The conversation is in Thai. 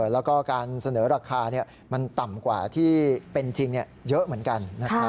แล้วก็การเสนอราคามันต่ำกว่าที่เป็นจริงเยอะเหมือนกัน